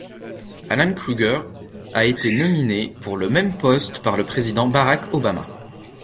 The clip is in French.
Alan Krueger a été nominé pour le même poste par le président Barack Obama.